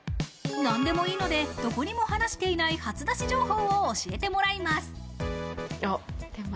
何でもいいので、どこにも話していない初出し情報を教えてもらいます。